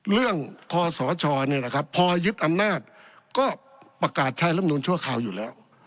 เรื่องคศนี่แหละครับพอยึดอำนาจก็ประกาศใช้แล้วมนุษย์ชั่วข่าวอยู่แล้ว